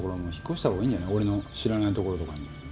俺の知らない所とかに。